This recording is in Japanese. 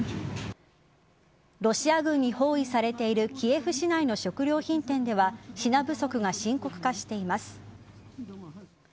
ロシア軍に包囲されているキエフ市内の食料品店では品不足が深刻化しています。